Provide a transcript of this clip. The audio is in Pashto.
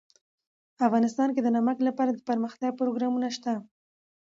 افغانستان کې د نمک لپاره دپرمختیا پروګرامونه شته.